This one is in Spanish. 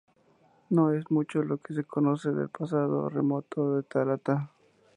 No es mucho lo que se conoce del pasado remoto de Tarata.